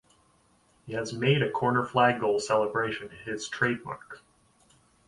He has made a corner flag goal celebration his "trademark".